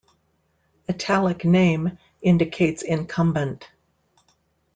"Italic name" indicates incumbent.